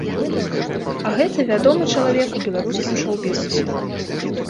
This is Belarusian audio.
А гэта вядомы чалавек у беларускім шоу-бізнэсе.